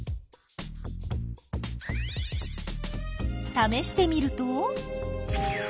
ためしてみると？